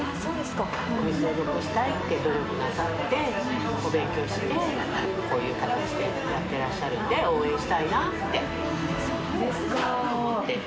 お店を残したいって努力なさって、お勉強して、こういう形でやってらっしゃるんで応援したいなって思って。